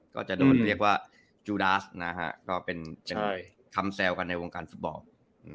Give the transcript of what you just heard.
ก็จะโดนเรียกว่าจูดาสนะฮะก็เป็นใช่ทำแซวกันในวงการฟุตบอลนะอืม